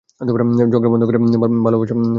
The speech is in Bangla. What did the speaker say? ঝগড়া বন্ধ করে ভালোবাসাবাসি করোগে।